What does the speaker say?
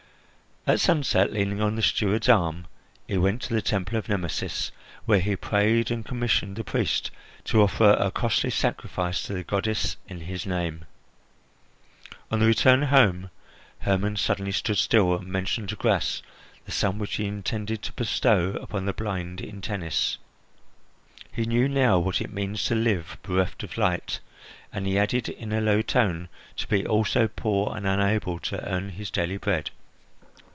At sunset, leaning on the steward's arm, he went to the Temple of Nemesis, where he prayed and commissioned the priest to offer a costly sacrifice to the goddess in his name. On the return home, Hermon suddenly stood still and mentioned to Gras the sum which he intended to bestow upon the blind in Tennis. He knew now what it means to live bereft of light, and, he added in a low tone, to be also poor and unable to earn his daily bread.